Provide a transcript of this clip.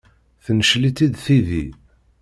Tencel-itt-id tidi.